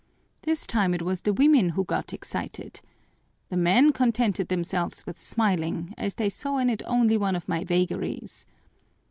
This time it was the women who got excited. The men contented themselves with smiling, as they saw in it only one of my vagaries.